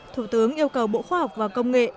thủ tướng yêu cầu bộ khoa học và công nghệ